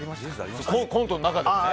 コントの中でね。